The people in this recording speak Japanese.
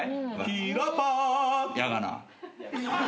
「ひらパー」やがな。